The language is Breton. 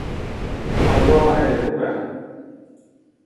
a oar en em ober